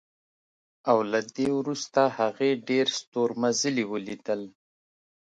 او له دې وروسته هغې ډېر ستورمزلي ولیدل